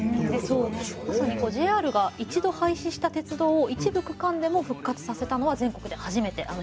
まさにこうＪＲが一度廃止した鉄道を一部区間でも復活させたのは全国で初めて。